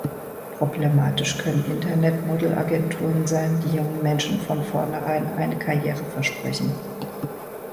Problematisch können Internet-Modelagenturen sein, die jungen Menschen von vornherein eine Karriere "versprechen".